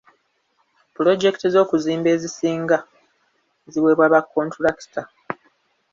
Pulojekiti z'okuzimba ezisinga ziweebwa ba kkontulakita.